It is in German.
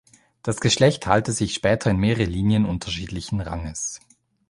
Das Geschlecht teilte sich später in mehrere Linien unterschiedlichen Ranges.